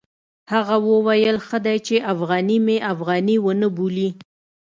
هغه وویل ښه دی چې افغاني مې افغاني ونه بولي.